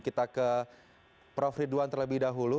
kita ke prof ridwan terlebih dahulu